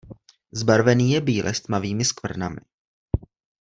Zbarvený je bíle s tmavými skvrnami.